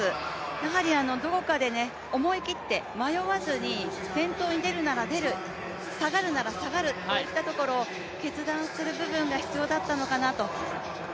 やはりどこかで思い切って迷わずに先頭に出るなら出る下がるなら下がるといったところを決断する部分が必要だったのかなと。